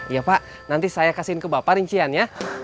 iya pa nanti saya kasihin ke bapak rinciannya